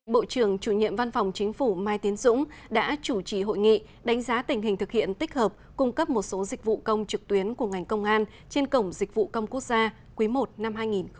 bộ trưởng chủ nhiệm văn phòng chính phủ mai tiến dũng đã chủ trì hội nghị đánh giá tình hình thực hiện tích hợp cung cấp một số dịch vụ công trực tuyến của ngành công an trên cổng dịch vụ công quốc gia quý i năm hai nghìn hai mươi